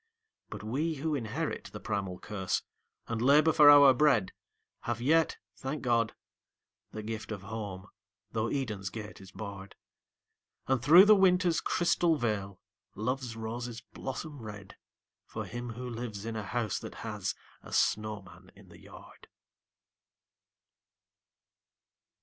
But we who inherit the primal curse, and labour for our bread, Have yet, thank God, the gift of Home, though Eden's gate is barred: And through the Winter's crystal veil, Love's roses blossom red, For him who lives in a house that has a snowman in the yard.